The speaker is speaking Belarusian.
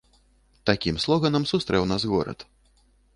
Такім слоганам сустрэў нас горад!